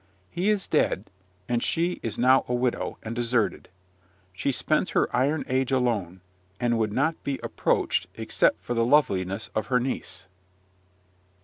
He is dead; and she is now a widow, and deserted. She spends her iron age alone, and would not be approached, except for the loveliness of her niece.